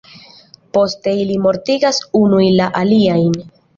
Poste ili mortigas unuj la aliajn.